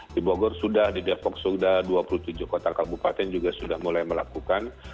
di bogor sudah di depok sudah dua puluh tujuh kota kabupaten juga sudah mulai melakukan